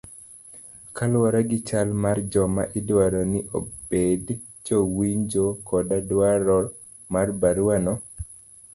kaluwore gi chal mar joma idwaro ni obed jowinjo koda dwaro mar barua no